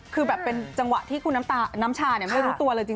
คือแบบเป็นจังหวะที่คุณน้ำชาไม่รู้ตัวเลยจริง